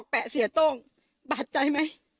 ปั๊ดใจไหม